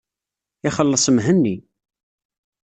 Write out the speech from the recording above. Ixelleṣ Mhenni.